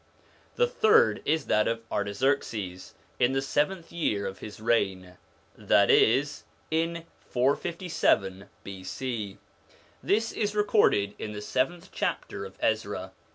The third is that of Artaxerxes in the seventh year of his reign, that is in 457 B.C. ; this is recorded in the seventh chapter of Ezra.